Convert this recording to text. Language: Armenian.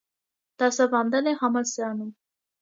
Դասավանդել է համալսարանում։